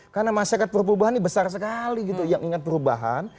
karena masyarakat perubahan ini besar sekali gitu yang ingat perubahan